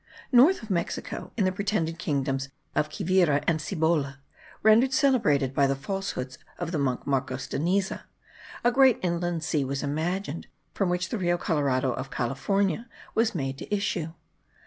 North of Mexico, in the pretended kingdoms of Quivira and Cibola, rendered celebrated by the falsehoods of the monk Marcos de Niza, a great inland sea was imagined, from which the Rio Colorado of California was made to issue.